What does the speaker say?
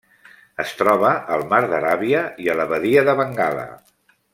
Es troba al Mar d'Aràbia i a la Badia de Bengala.